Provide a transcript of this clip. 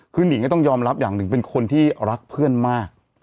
คือนิงก็ต้องยอมรับอย่างหนึ่งเป็นคนที่รักเพื่อนมาก